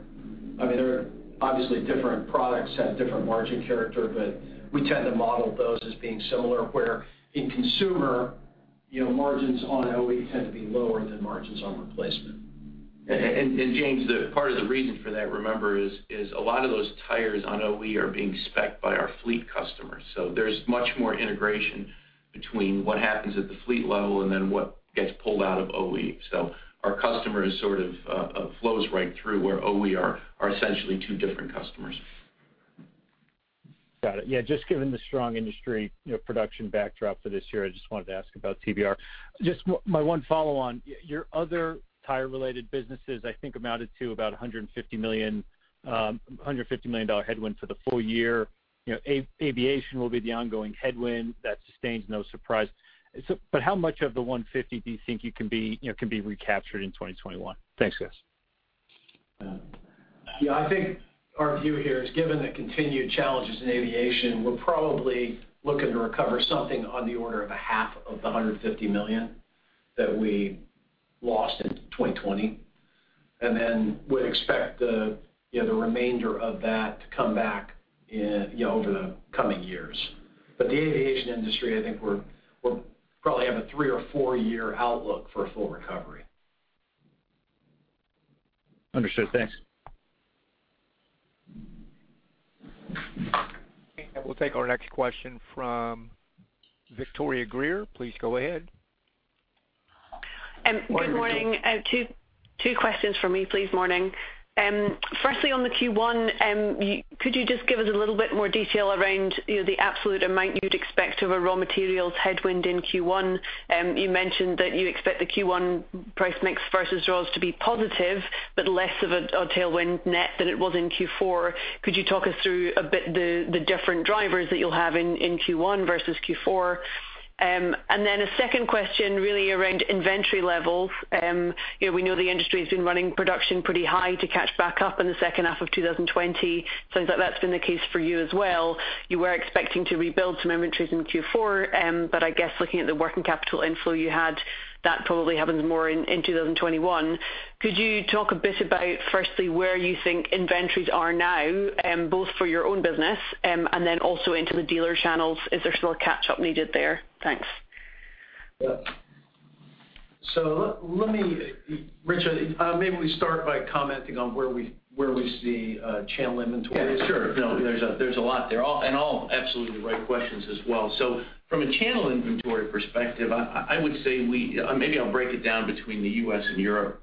I mean, obviously, different products have different margin character, but we tend to model those as being similar where in consumer, margins on OE tend to be lower than margins on replacement. James, part of the reason for that, remember, is a lot of those tires on OE are being specced by our fleet customers. So there's much more integration between what happens at the fleet level and then what gets pulled out of OE. So our customer sort of flows right through where OE are essentially two different customers. Got it. Yeah. Just given the strong industry production backdrop for this year, I just wanted to ask about TBR. Just my one follow-on, your other tire-related businesses, I think amounted to about $150 million headwind for the full year. Aviation will be the ongoing headwind. That sustains no surprise. But how much of the 150 do you think you can be recaptured in 2021? Thanks, guys. Yeah. I think our view here is given the continued challenges in aviation, we're probably looking to recover something on the order of half of the $150 million that we lost in 2020. Then we'd expect the remainder of that to come back over the coming years. But the aviation industry, I think we probably have a three or four-year outlook for full recovery. Understood. Thanks. We'll take our next question from Victoria Greer. Please go ahead. Good morning. Two questions for me, please. Morning. Firstly, on the Q1, could you just give us a little bit more detail around the absolute amount you'd expect of a raw materials headwind in Q1? You mentioned that you expect the Q1 price mix versus draws to be positive, but less of a tailwind net than it was in Q4. Could you talk us through a bit the different drivers that you'll have in Q1 versus Q4? Then a second question really around inventory levels. We know the industry has been running production pretty high to catch back up in the second half of 2020. Sounds like that's been the case for you as well. You were expecting to rebuild some inventories in Q4, but I guess looking at the working capital inflow you had, that probably happens more in 2021. Could you talk a bit about, firstly, where you think inventories are now, both for your own business and then also into the dealer channels? Is there still a catch-up needed there? Thanks. Yeah. So let me, Mitchell, maybe we start by commenting on where we see channel inventory. Yeah, sure. There's a lot there, and all absolutely the right questions as well, so from a channel inventory perspective, I would say maybe I'll break it down between the U.S. and Europe.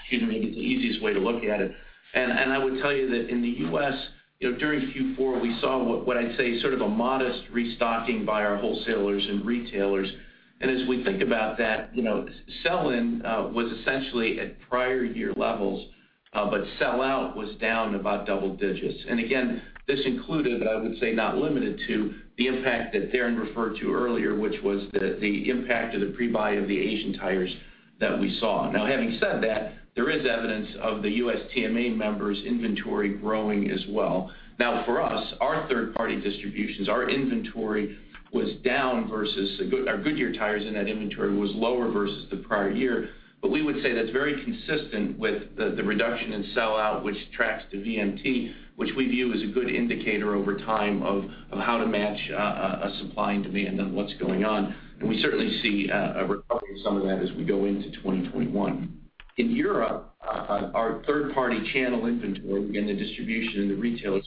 Excuse me. Maybe it's the easiest way to look at it, and I would tell you that in the U.S., during Q4, we saw what I'd say is sort of a modest restocking by our wholesalers and retailers, and as we think about that, sell-in was essentially at prior-year levels, but sell-out was down about double digits. Again, this included, but I would say not limited to, the impact that Darren referred to earlier, which was the impact of the pre-buy of the Asian tires that we saw. Now, having said that, there is evidence of the USTMA members' inventory growing as well. Now, for us, our third-party distributions, our inventory was down versus our Goodyear tires in that inventory was lower versus the prior year. But we would say that's very consistent with the reduction in sell-out, which tracks to VMT, which we view as a good indicator over time of how to match a supply and demand on what's going on and we certainly see a recovery of some of that as we go into 2021. In Europe, our third-party channel inventory and the distribution and the retailers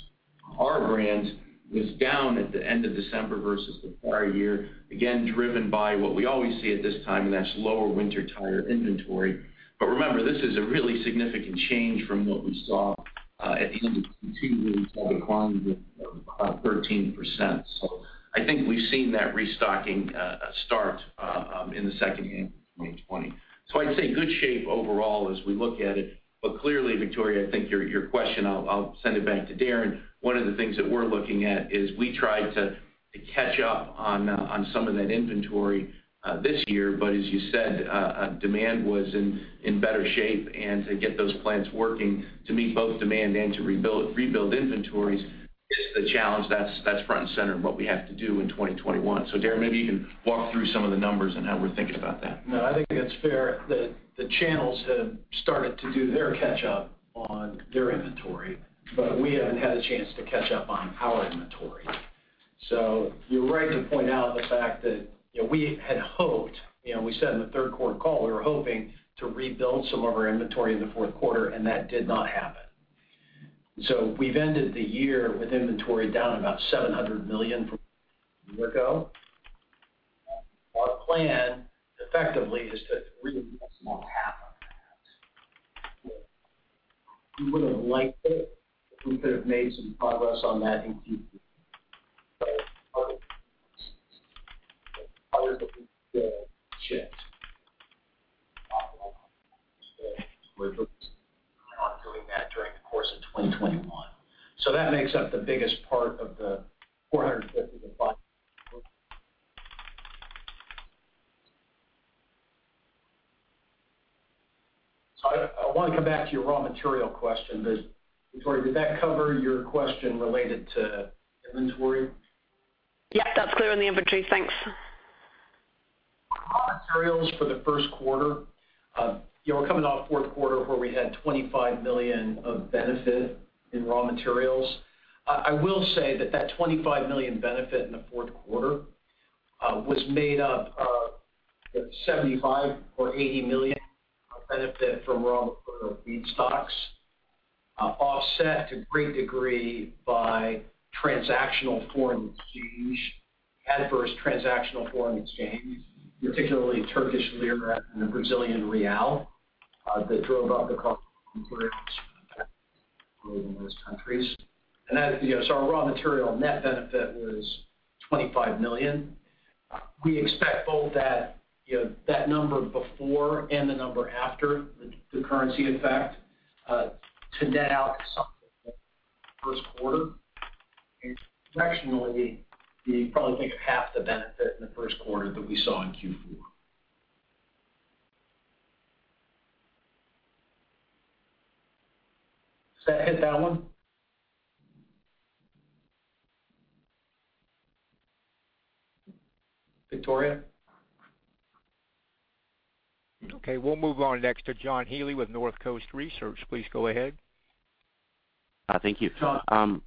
of our brands was down at the end of December versus the prior year, again, driven by what we always see at this time, and that's lower winter tire inventory. But remember, this is a really significant change from what we saw at the end of Q2, where we saw declines of about 13%. I think we've seen that restocking start in the second half of 2020. I'd say good shape overall as we look at it. But clearly, Victoria, I think your question. I'll send it back to Darren. One of the things that we're looking at is we tried to catch up on some of that inventory this year. But as you said, demand was in better shape and to get those plants working to meet both demand and to rebuild inventories is the challenge. That's front and center of what we have to do in 2021. So Darren, maybe you can walk through some of the numbers and how we're thinking about that. No, I think that's fair. The channels have started to do their catch-up on their inventory, but we haven't had a chance to catch up on our inventory. So you're right to point out the fact that we had hoped, we said in the third quarter call, we were hoping to rebuild some of our inventory in the fourth quarter, and that did not happen. So we've ended the year with inventory down about $700 million from a year ago. Our plan effectively is to rebuild some of that. We would have liked it if we could have made some progress on that in Q2. We're doing that during the course of 2021. So that makes up the biggest part of the 450-500. So I want to come back to your raw material question. But Victoria, did that cover your question related to inventory? Yeah, that's clear on the inventory. Thanks. Raw materials for the first quarter, we're coming off fourth quarter where we had $25 million of benefit in raw materials. I will say that that $25 million benefit in the fourth quarter was made up of $75 or $80 million of benefit from raw material feedstocks, offset to a great degree by transactional foreign exchange, adverse transactional foreign exchange, particularly Turkish lira and the Brazilian real that drove up the cost of materials for those countries. So our raw material net benefit was $25 million. We expect both that number before and the number after the currency effect to net out something in the first quarter and traditionally, you probably think of half the benefit in the first quarter that we saw in Q4. Does that hit that one? Victoria? Okay. We'll move on next to John Healy with North Coast Research. Please go ahead. Thank you. John.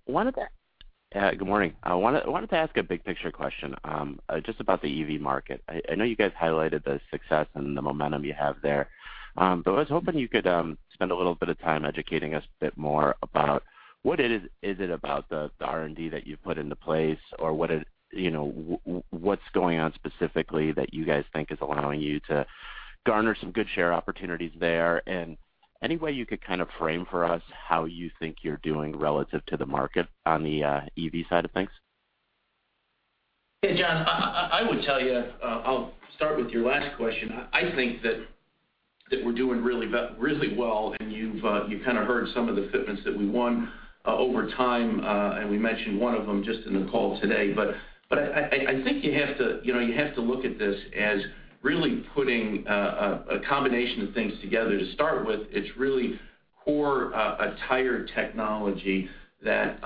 Good morning. I wanted to ask a big-picture question just about the EV market. I know you guys highlighted the success and the momentum you have there. But I was hoping you could spend a little bit of time educating us a bit more about what it is about the R&D that you've put into place or what's going on specifically that you guys think is allowing you to garner some good share opportunities there. Any way you could kind of frame for us how you think you're doing relative to the market on the EV side of things? Yeah, John, I would tell you I'll start with your last question. I think that we're doing really well, and you've kind of heard some of the wins over time, and we mentioned one of them just in the call today, but I think you have to look at this as really putting a combination of things together. To start with, it's really core tire technology that,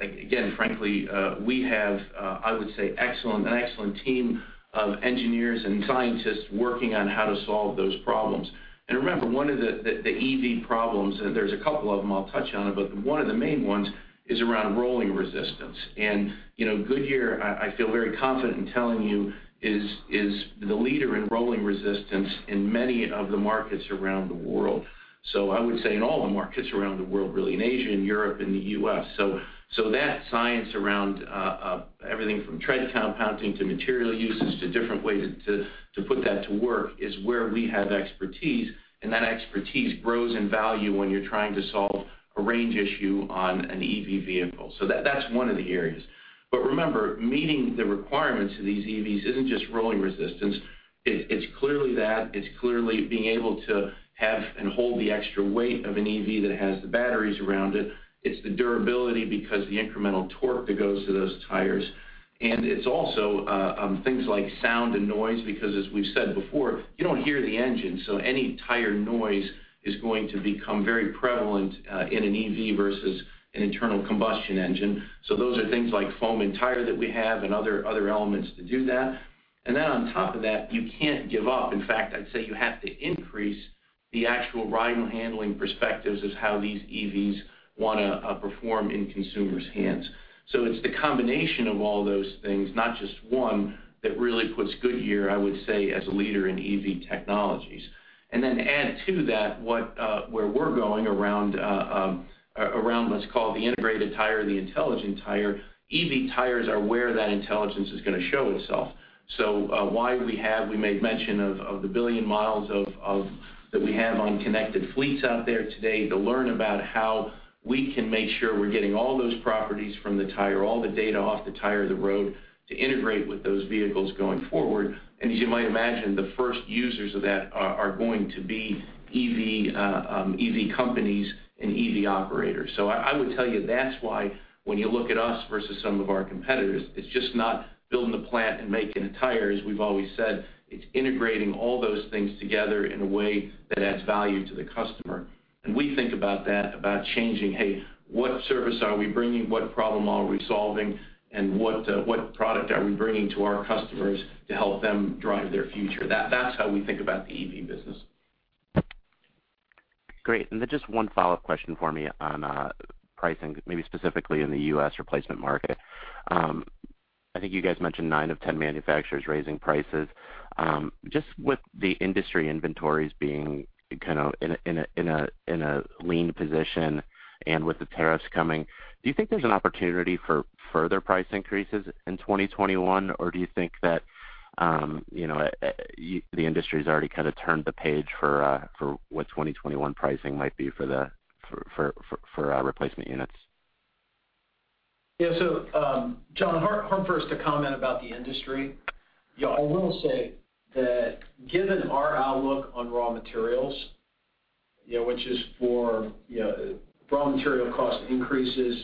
again, frankly, we have, I would say, an excellent team of engineers and scientists working on how to solve those problems, and remember, one of the EV problems, and there's a couple of them I'll touch on, but one of the main ones is around rolling resistance, and Goodyear, I feel very confident in telling you, is the leader in rolling resistance in many of the markets around the world. So I would say in all the markets around the world, really, in Asia, in Europe, in the U.S. So that science around everything from tread compounding to material uses to different ways to put that to work is where we have expertise and that expertise grows in value when you're trying to solve a range issue on an EV vehicle. So that's one of the areas. But remember, meeting the requirements of these EVs isn't just rolling resistance. It's clearly that. It's clearly being able to have and hold the extra weight of an EV that has the batteries around it. It's the durability because of the incremental torque that goes to those tires. It's also things like sound and noise because, as we've said before, you don't hear the engine. So any tire noise is going to become very prevalent in an EV versus an internal combustion engine. So those are things like foam-in-tire that we have and other elements to do that. And then on top of that, you can't give up. In fact, I'd say you have to increase the actual ride-handling perspectives of how these EVs want to perform in consumers' hands. So it's the combination of all those things, not just one, that really puts Goodyear, I would say, as a leader in EV technologies. Then add to that where we're going around, let's call it the integrated tire, the intelligent tire, EV tires are where that intelligence is going to show itself. So why have we made mention of the billion miles that we have on connected fleets out there today to learn about how we can make sure we're getting all those properties from the tire, all the data off the tire off the road to integrate with those vehicles going forward. As you might imagine, the first users of that are going to be EV companies and EV operators. So I would tell you that's why when you look at us versus some of our competitors, it's just not building the plant and making the tires, we've always said. It's integrating all those things together in a way that adds value to the customer and we think about that, about changing, "Hey, what service are we bringing? What problem are we solving? What product are we bringing to our customers to help them drive their future?" That's how we think about the EV business. Great. Then just one follow-up question for me on pricing, maybe specifically in the U.S. replacement market. I think you guys mentioned nine of 10 manufacturers raising prices. Just with the industry inventories being kind of in a lean position and with the tariffs coming, do you think there's an opportunity for further price increases in 2021 or do you think that the industry has already kind of turned the page for what 2021 pricing might be for replacement units? Yeah. So John, hard for us to comment about the industry. I will say that given our outlook on raw materials, which is for raw material cost increases,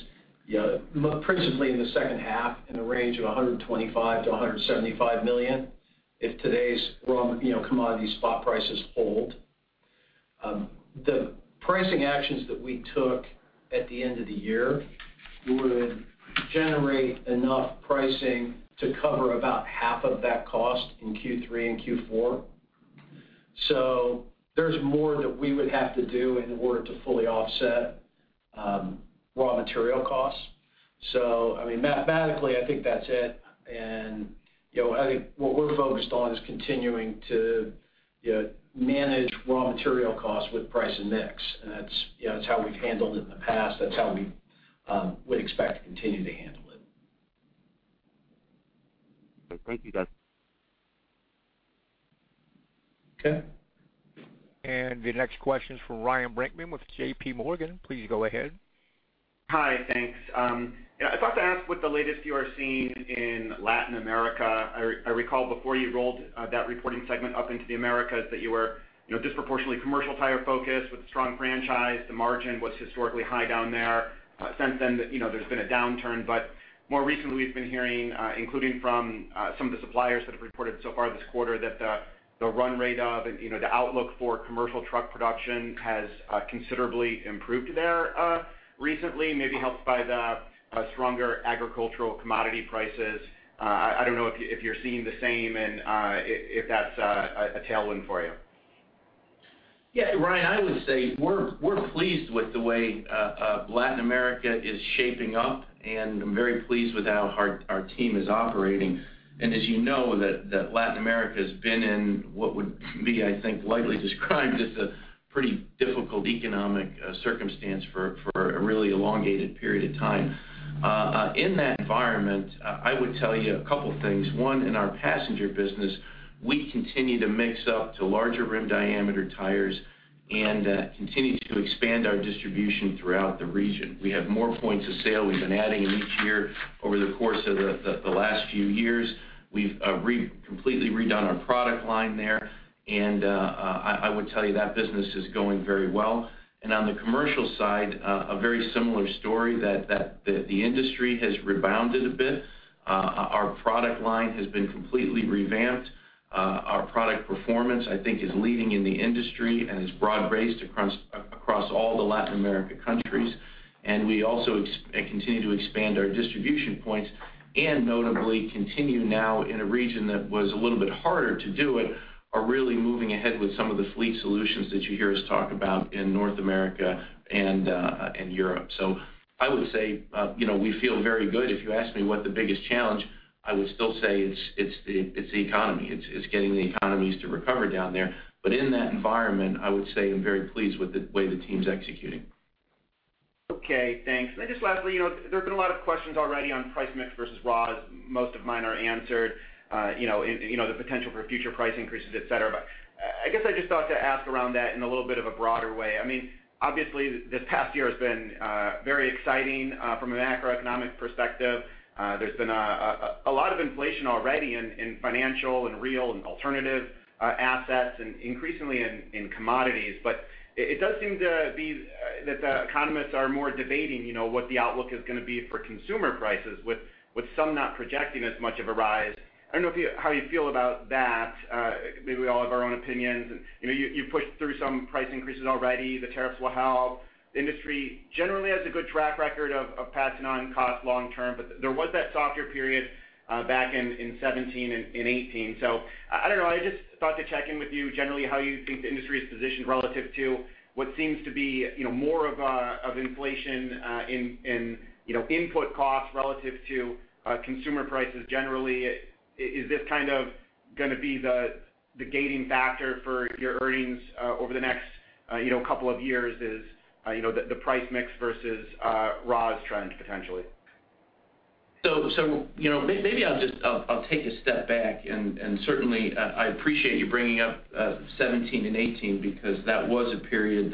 principally in the second half in the range of $125 million-$175 million, if today's commodity spot prices hold, the pricing actions that we took at the end of the year would generate enough pricing to cover about half of that cost in Q3 and Q4. So there's more that we would have to do in order to fully offset raw material costs. So I mean, mathematically, I think that's it. I think what we're focused on is continuing to manage raw material costs with price and mix and that's how we've handled it in the past. That's how we would expect to continue to handle it. Thank you, guys. Okay. The next question is from Ryan Brinkman with J.P. Morgan. Please go ahead. Hi, thanks. I thought to ask what the latest you are seeing in Latin America. I recall before you rolled that reporting segment up into the Americas that you were disproportionately commercial tire-focused with a strong franchise. The margin was historically high down there. Since then, there's been a downturn. But more recently, we've been hearing, including from some of the suppliers that have reported so far this quarter, that the run rate of and the outlook for commercial truck production has considerably improved there recently, maybe helped by the stronger agricultural commodity prices. I don't know if you're seeing the same and if that's a tailwind for you. Yeah, Ryan, I would say we're pleased with the way Latin America is shaping up and I'm very pleased with how our team is operating. As you know, Latin America has been in what would be, I think, lightly described as a pretty difficult economic circumstance for a really elongated period of time. In that environment, I would tell you a couple of things. One, in our passenger business, we continue to mix up to larger rim diameter tires and continue to expand our distribution throughout the region. We have more points of sale. We've been adding in each year over the course of the last few years. We've completely redone our product line there and I would tell you that business is going very well. On the commercial side, a very similar story, that the industry has rebounded a bit. Our product line has been completely revamped. Our product performance, I think, is leading in the industry and is broad-based across all the Latin American countries, and we also continue to expand our distribution points and notably continue now in a region that was a little bit harder to do it, are really moving ahead with some of the fleet solutions that you hear us talk about in North America and Europe. So I would say we feel very good. If you ask me what the biggest challenge, I would still say it's the economy. It's getting the economies to recover down there, but in that environment, I would say I'm very pleased with the way he team's executing. Okay. Thanks. I guess lastly, there have been a lot of questions already on price mix versus ROS. Most of mine are answered, the potential for future price increases, etc. But I guess I just thought to ask about that in a little bit of a broader way. I mean, obviously, this past year has been very exciting from a macroeconomic perspective. There's been a lot of inflation already in financial and real and alternative assets and increasingly in commodities. But it does seem to be that the economists are now debating what the outlook is going to be for consumer prices, with some not projecting as much of a rise. I don't know how you feel about that. Maybe we all have our own opinions. You pushed through some price increases already. The tariffs will help. The industry generally has a good track record of passing on costs long term, but there was that softer period back in 2017 and 2018, so I don't know. I just thought to check in with you generally how you think the industry is positioned relative to what seems to be more of inflation in input costs relative to consumer prices generally. Is this kind of going to be the gating factor for your earnings over the next couple of years? Is the price mix versus ROS trend potentially? So maybe I'll take a step back. Certainly, I appreciate you bringing up 2017 and 2018 because that was a period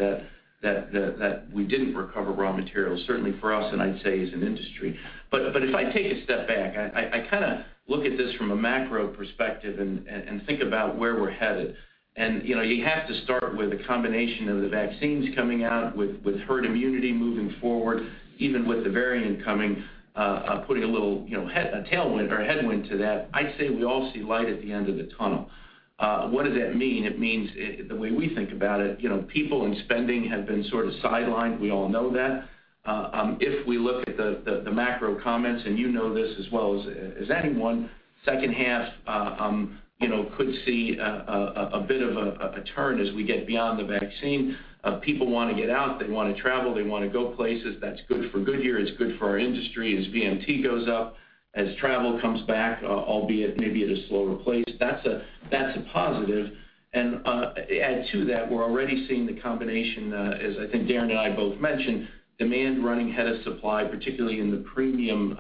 that we didn't recover raw materials, certainly for us, and I'd say as an industry. But if I take a step back, I kind of look at this from a macro perspective and think about where we're headed. You have to start with a combination of the vaccines coming out with herd immunity moving forward, even with the variant coming, putting a little tailwind or headwind to that. I'd say we all see light at the end of the tunnel. What does that mean? It means the way we think about it, people and spending have been sort of sidelined. We all know that. If we look at the macro comments, and you know this as well as anyone, second half could see a bit of a turn as we get beyond the vaccine. People want to get out. They want to travel. They want to go places. That's good for Goodyear. It's good for our industry as VMT goes up, as travel comes back, albeit maybe at a slower pace. That's a positive. Add to that, we're already seeing the combination, as I think Darren and I both mentioned, demand running ahead of supply, particularly in the premium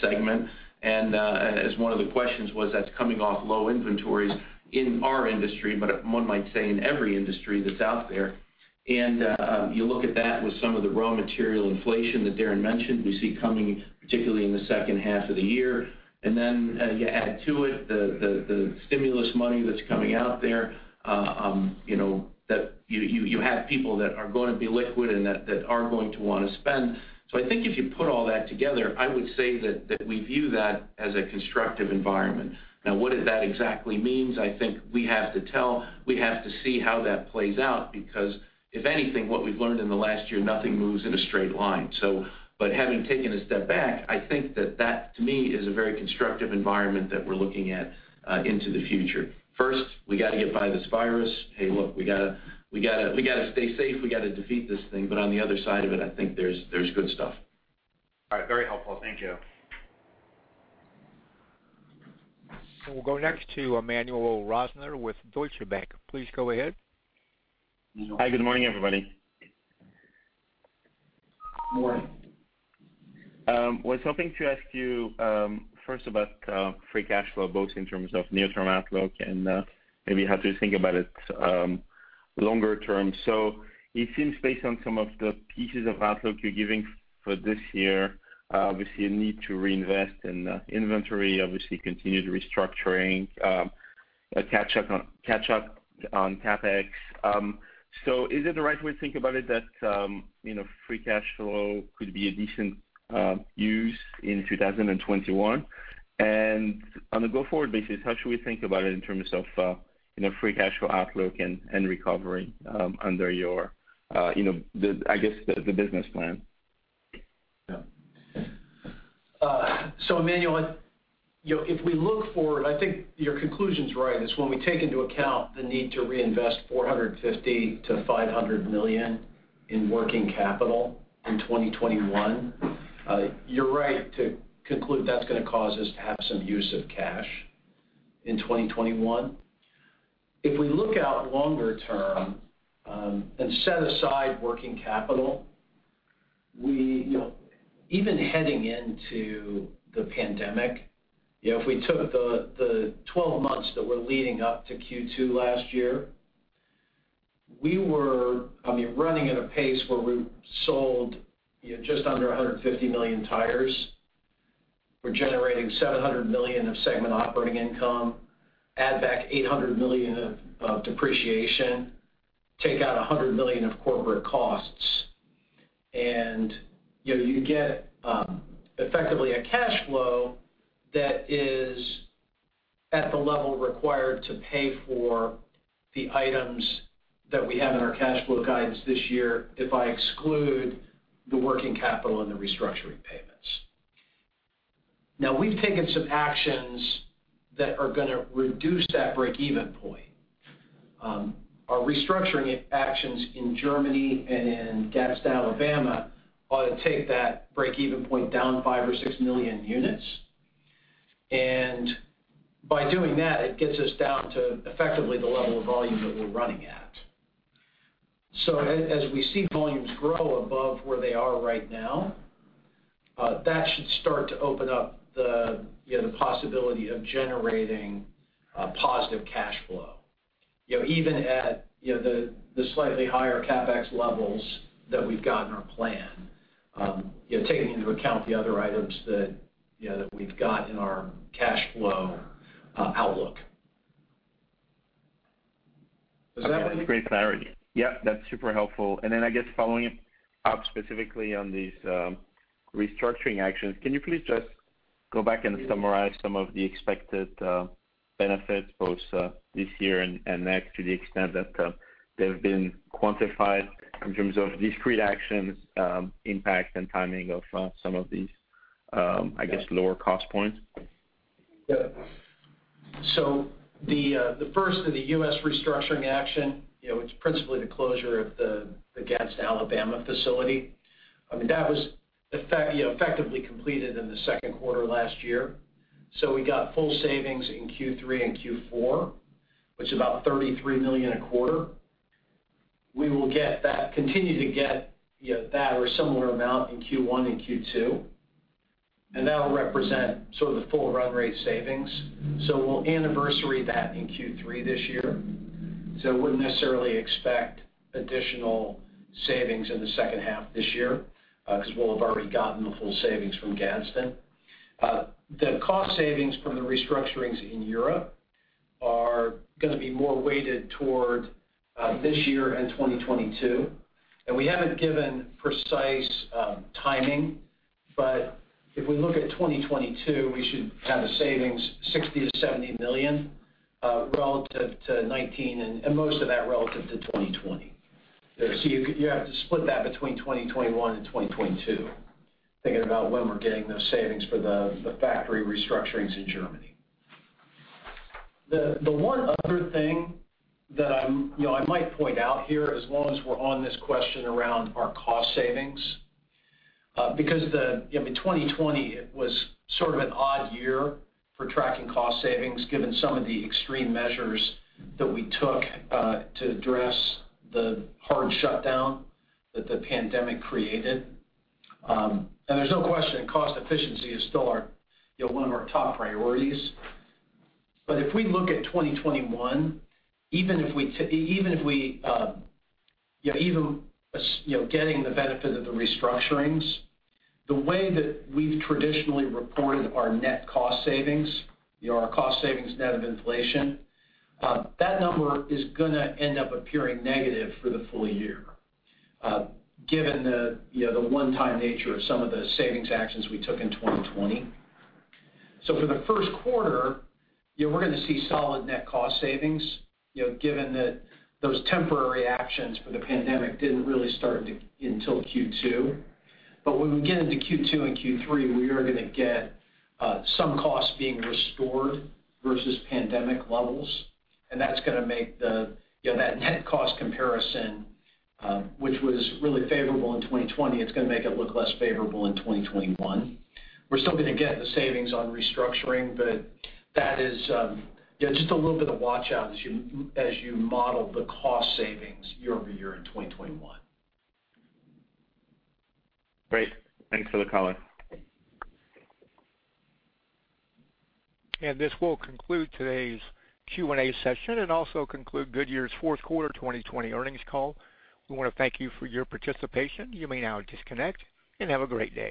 segment. As one of the questions was, that's coming off low inventories in our industry, but one might say in every industry that's out there and you look at that with some of the raw material inflation that Darren mentioned we see coming, particularly in the second half of the year. Then you add to it the stimulus money that's coming out there that you have people that are going to be liquid and that are going to want to spend. So I think if you put all that together, I would say that we view that as a constructive environment. Now, what does that exactly mean? I think we have to tell. We have to see how that plays out because if anything, what we've learned in the last year, nothing moves in a straight line. But having taken a step back, I think that that, to me, is a very constructive environment that we're looking at into the future. First, we got to get by this virus. Hey, look, we got to stay safe. We got to defeat this thing. But on the other side of it, I think there's good stuff. All right. Very helpful. Thank you. So we'll go next to Emmanuel Rosner with Deutsche Bank. Please go ahead. Hi, good morning, everybody. Good morning. I was hoping to ask you first about free cash flow, both in terms of near-term outlook and maybe how to think about it longer term. So it seems based on some of the pieces of outlook you're giving for this year, obviously a need to reinvest in inventory, obviously continue the restructuring, catch up on CapEx. So is it the right way to think about it that free cash flow could be a decent use in 2021? On a go-forward basis, how should we think about it in terms of free cash flow outlook and recovery under your, I guess, the business plan? Emmanuel, if we look forward, I think your conclusion's right. It's when we take into account the need to reinvest $450 million-$500 million in working capital in 2021, you're right to conclude that's going to cause us to have some use of cash in 2021. If we look out longer term and set aside working capital, even heading into the pandemic, if we took the 12 months that were leading up to Q2 last year, we were running at a pace where we sold just under 150 million tires. We're generating $700 million of segment operating income, add back $800 million of depreciation, take out $100 million of corporate costs, and you get effectively a cash flow that is at the level required to pay for the items that we have in our cash flow guidance this year if I exclude the working capital and the restructuring payments. Now, we've taken some actions that are going to reduce that break-even point. Our restructuring actions in Germany and in Gadsden, Alabama ought to take that break-even point down five or six million units and by doing that, it gets us down to effectively the level of volume that we're running at. So as we see volumes grow above where they are right now, that should start to open up the possibility of generating positive cash flow, even at the slightly higher CapEx levels that we've got in our plan, taking into account the other items that we've got in our cash flow outlook. That's great clarity. Yep, that's super helpful. Then I guess following up specifically on these restructuring actions, can you please just go back and summarize some of the expected benefits, both this year and next, to the extent that they've been quantified in terms of discrete actions, impact, and timing of some of these, I guess, lower cost points? The first of the U.S. restructuring action, which is principally the closure of the Gadsden, Alabama facility, I mean, that was effectively completed in the second quarter last year. We got full savings in Q3 and Q4, which is about $33 million a quarter. We will continue to get that or a similar amount in Q1 and Q2. That will represent sort of the full run rate savings. We'll anniversary that in Q3 this year. We wouldn't necessarily expect additional savings in the second half this year because we'll have already gotten the full savings from Gadsden. The cost savings from the restructurings in Europe are going to be more weighted toward this year and 2022. We haven't given precise timing. But if we look at 2022, we should have savings $60-$70 million relative to 2019 and most of that relative to 2020. So you have to split that between 2021 and 2022, thinking about when we're getting those savings for the factory restructurings in Germany. The one other thing that I might point out here, as long as we're on this question around our cost savings, because in 2020, it was sort of an odd year for tracking cost savings, given some of the extreme measures that we took to address the hard shutdown that the pandemic created, and there's no question, cost efficiency is still one of our top priorities. But if we look at 2021, even if we get the benefit of the restructurings, the way that we've traditionally reported our net cost savings, our cost savings net of inflation, that number is going to end up appearing negative for the full year, given the one-time nature of some of the savings actions we took in 2020. So for the first quarter, we're going to see solid net cost savings, given that those temporary actions for the pandemic didn't really start until Q2. But when we get into Q2 and Q3, we are going to get some costs being restored versus pandemic levels, and that's going to make that net cost comparison, which was really favorable in 2020, it's going to make it look less favorable in 2021. We're still going to get the savings on restructuring, but that is just a little bit of watch out as you model the cost savings year over year in 2021. Great. Thanks for the color. This will conclude today's Q&A session and also conclude Goodyear's fourth quarter 2020 earnings call. We want to thank you for your participation. You may now disconnect and have a great day.